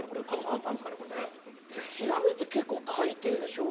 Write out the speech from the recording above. ヒラメって海底でしょう？